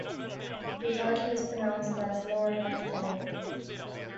The title is pronounced as 'Lord "Lef"-tenant'.